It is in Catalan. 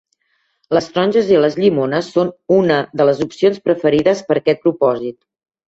Les taronges i les llimones són una de les opcions preferides per aquest propòsit.